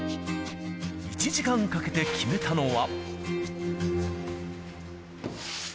１時間かけて決めたのは。